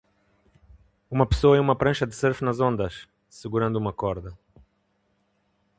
Uma pessoa em uma prancha de surf nas ondas? segurando uma corda.